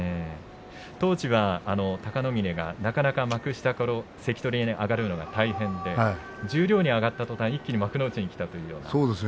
当時は貴ノ嶺がなかなか幕下から関取に上がるのが大変で十両に上がったとたん一気に幕内にきたということで。